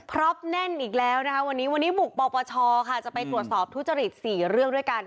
พร้อมแน่นอีกแล้วนะครับวันนี้หมุกปปชจะไปกรับสอบทุจริต๔เรื่องด้วยกัน